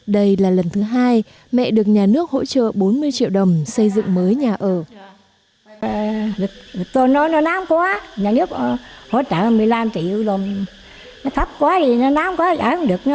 đây là lần thứ hai mẹ được nhà nước hỗ trợ bốn mươi triệu đồng xây dựng mới nhà ở